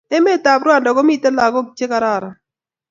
Emet ab Rwanda komiten lakok che kararan